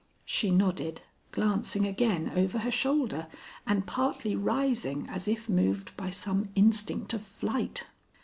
She nodded, glancing again over her shoulder and partly rising as if moved by some instinct of flight.